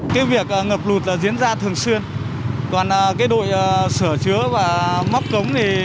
cái việc ngập lụt là diễn ra thường xuyên còn cái đội sửa chứa và móc cống thì